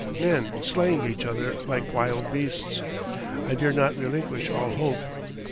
Men slaying each other like wild beasts! I dare not relinquish all hope.